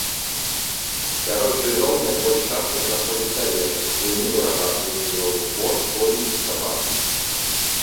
Сярод жывёл найбольш часта знаходзяць авечак, буйную рагатую жывёлу, коз, коней і сабак.